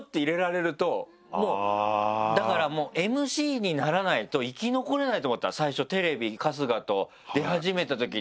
だからＭＣにならないと生き残れないと思ったの最初テレビ春日と出始めたときに。